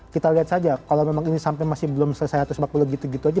kita lihat saja kalau memang ini sampai masih belum selesai atau sebagainya gitu gitu aja